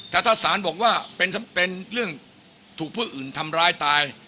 แต่ถ้าศาลบอกว่าเป็นเรื่องถูกผู้อื่นทำร้ายตาย